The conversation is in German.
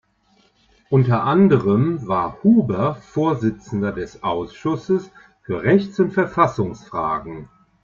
Unter anderem war Huber Vorsitzender des Ausschusses für Rechts- und Verfassungsfragen.